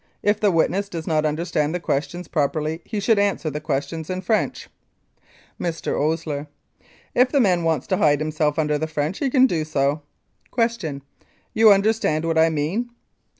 If the witness does not under stand the questions properly he should answer the questions in French. Mr. OSLER: If the man wants to hide himself under the French he can do so. Q. You understand what I mean?